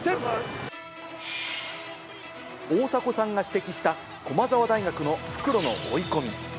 大迫さんが指摘した、駒澤大学の復路の追い込み。